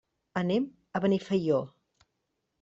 Anem a Benifaió.